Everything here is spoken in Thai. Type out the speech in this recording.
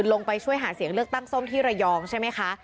ลงไปช่วยหาเสียงเลือกตั้งส้มที่ระยองใช่ไหมคะ